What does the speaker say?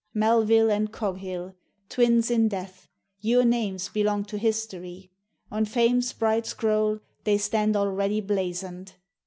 MELVILLE and COGHILL! twins in death your names Belong to history! On Fame's bright scroll They stand already blazoned.